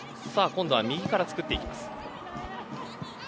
今度は右から作っていきます。